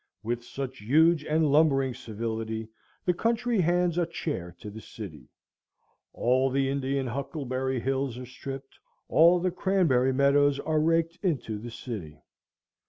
With such huge and lumbering civility the country hands a chair to the city. All the Indian huckleberry hills are stripped, all the cranberry meadows are raked into the city.